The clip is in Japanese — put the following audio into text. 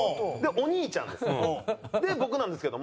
お兄ちゃんです。